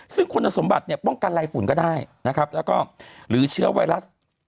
ซึ่งคุณสมบัติเนี่ยป้องกันไรฝุ่นก็ได้นะครับแล้วก็หรือเชื้อไวรัส